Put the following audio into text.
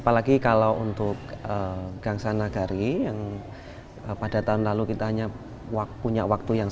apalagi kalau untuk gang sanagari yang pada tahun lalu kita hanya punya waktu yang